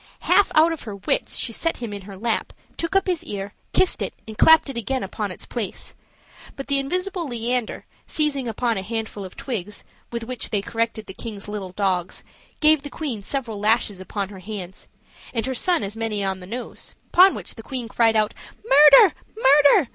Half out of her wits, she set him in her lap, took up his ear, kissed it, and clapped it again upon its place; but the invisible Leander, seizing upon a handful of twigs, with which they corrected the king's little dogs, gave the queen several lashes upon her hands, and her son as many on the nose: upon which the queen cried out, "Murder! murder!"